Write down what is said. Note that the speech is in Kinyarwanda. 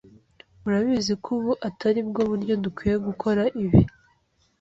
Urabizi ko ubu atari bwo buryo dukwiye gukora ibi.